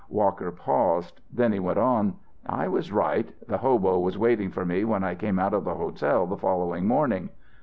Walker paused. Then he went on: "I was right. The hobo was waiting for me when I came out of the hotel the following morning.